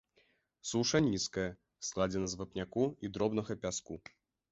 Суша нізкая, складзена з вапняку і дробнага пяску.